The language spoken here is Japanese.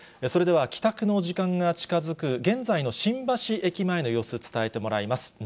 それでは帰宅時間が近づく現在の新橋駅前の様子、伝えてもらいます。